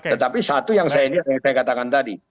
tetapi satu yang saya katakan tadi